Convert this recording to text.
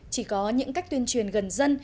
chỉ có những cách tuyên truyền gần dân